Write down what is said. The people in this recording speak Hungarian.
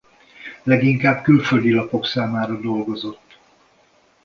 Leginkább külföldi lapok számára dolgozott.